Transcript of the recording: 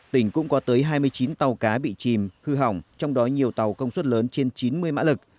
tỉnh cũng có tới hai mươi chín tàu cá bị chìm hư hỏng trong đó nhiều tàu công suất lớn trên chín mươi mã lực